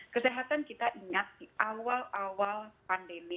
kesehatan kita ingat di awal awal pandemi